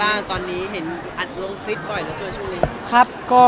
และยกรับ